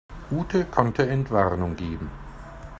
Ute konnte Entwarnung geben.